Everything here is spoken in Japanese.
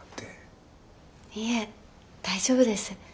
いえ大丈夫です。